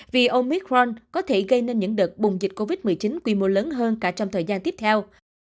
vì omit front có thể gây nên những đợt bùng dịch covid một mươi chín quy mô lớn hơn cả trong thời gian tiếp theo